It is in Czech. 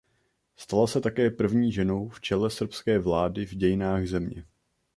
Stala se také první ženou v čele srbské vlády v dějinách země.